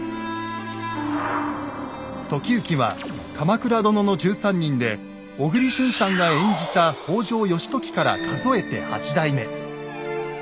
時行は「鎌倉殿の１３人」で小栗旬さんが演じた北条義時から数えて８代目。